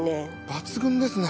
抜群ですね。